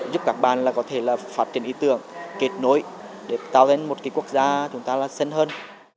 giúp các bạn có thể phát triển ý tưởng kết nối để tạo nên một quốc gia chúng ta là sân hơn